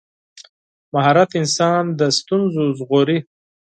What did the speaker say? مهارت انسان له ستونزو ژغوري.